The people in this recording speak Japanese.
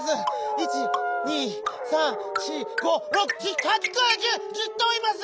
１２３４５６７８９１０１０とういます！